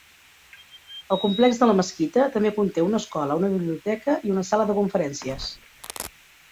El complex de la mesquita també conté una escola, una biblioteca i una sala de conferències.